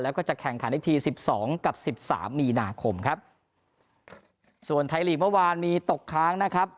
แล้วก็จะแข่งขันอีกทีสิบสองกับสิบสามมีนาคมครับส่วนไทยลีกเมื่อวานมีตกค้างนะครับ